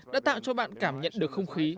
đã tạo cho bạn cảm nhận được không khí